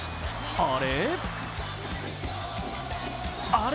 あれ？